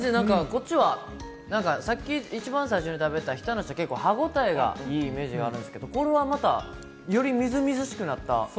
こっちはさっき一番最初に食べた日田梨は歯ごたえがいいイメージがあるんですけど、これはまた、よりみずみずしくなった。